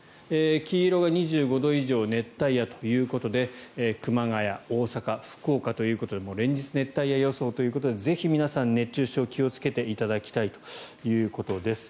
黄色が２５度以上熱帯夜ということで熊谷、大阪、福岡ということで連日、熱帯夜予想ということでぜひ皆さん、熱中症に気をつけていただきたいということです。